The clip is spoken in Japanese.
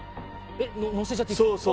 えっのせちゃっていいんですか？